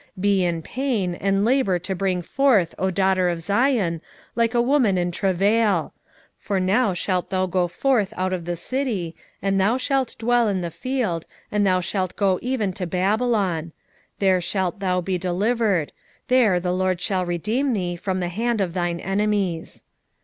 4:10 Be in pain, and labour to bring forth, O daughter of Zion, like a woman in travail: for now shalt thou go forth out of the city, and thou shalt dwell in the field, and thou shalt go even to Babylon; there shalt thou be delivered; there the LORD shall redeem thee from the hand of thine enemies.